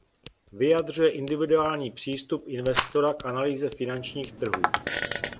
Vyjadřuje individuální přístup investora k analýze finančních trhů.